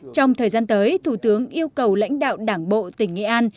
trong thời gian tới thủ tướng yêu cầu lãnh đạo đảng bộ tỉnh nghệ an